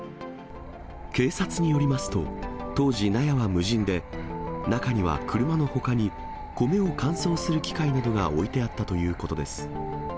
警察によりますと、当時、納屋は無人で、中には車のほかに、米を乾燥する機械などが置いてあったということです。